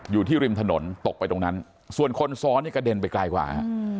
อยู่ที่ริมถนนตกไปตรงนั้นส่วนคนซ้อนนี่กระเด็นไปไกลกว่า